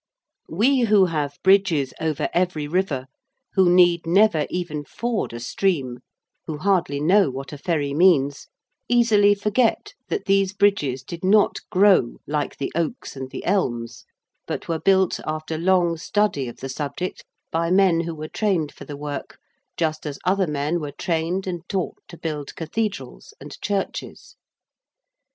We who have bridges over every river: who need never even ford a stream: who hardly know what a ferry means: easily forget that these bridges did not grow like the oaks and the elms: but were built after long study of the subject by men who were trained for the work just as other men were trained and taught to build cathedrals and churches.